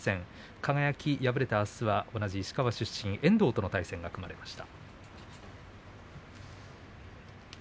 輝敗れてあすは同じく石川出身の遠藤との対戦が組まれました。